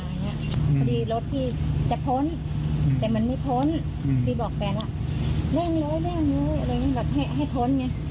ลายลายลายพอดีรถพี่จะพ้นแต่มันไม่พ้นพี่บอกแปดล่ะแรงล้อยแรงนี้อะไรงี้แบบให้ให้พ้นไง